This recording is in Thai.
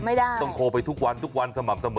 ไม่ได้ต้องโทรไปทุกวันสมับเสมอ